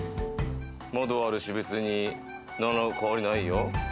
窓あるし、別に何ら変わりないよ。